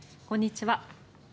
こんにちは。